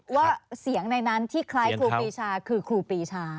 ว่าเสียงในนั้นที่คล้ายครูปีชาคือครูปีชา